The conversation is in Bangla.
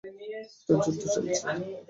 একটা যুদ্ধ চলছে!